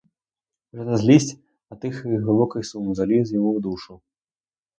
Вже не злість, а тихий глибокий сум заліз йому в душу.